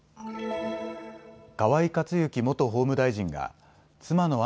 河井克行元法務大臣が妻の案